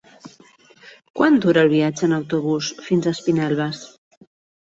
Quant dura el viatge en autobús fins a Espinelves?